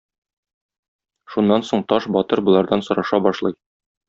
Шуннан соң Таш батыр болардан сораша башлый.